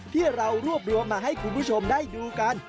ที่เรารวบรวมมาให้คุณผู้ชมได้ดูกัน